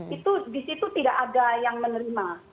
itu di situ tidak ada yang menerima